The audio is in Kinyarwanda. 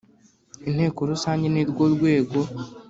Inteko rusange nirwo rwego